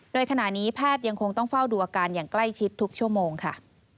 โดยขณะนี้แพทย์ยังคงต้องเฝ้าดูอาการอย่างใกล้ชิดทุกชั่วโมงค่ะ